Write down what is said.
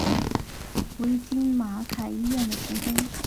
为今马偕医院的前身。